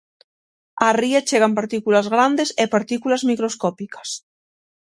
Á ría chegan partículas grandes e partículas microscópicas.